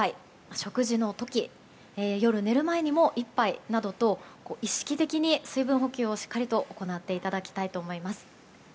食事の時、夜寝る前にも１杯などと意識的に水分補給を、しっかり行っていただきたいと思います。